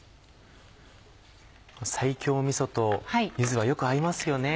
西京みそと柚子はよく合いますよね。